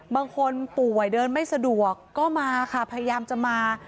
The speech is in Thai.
บางคนป่วยเดินไม่สะดวกก็มาค่ะพยายามจะมา